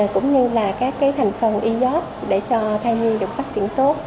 cũng như là các thành phần iot để cho thai nhiên được phát triển tốt